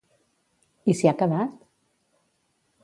I s'hi ha quedat?